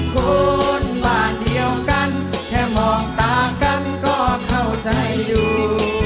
คนบ้านเดียวกันแค่มองต่างกันก็เข้าใจอยู่